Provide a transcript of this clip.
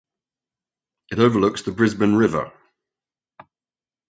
It overlooks the Brisbane River.